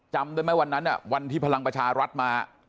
จำได้ไหมวันนั้นวันที่พลังประชารัฐมา